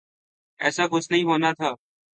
ایسا کچھ نہیں ہونا تھا۔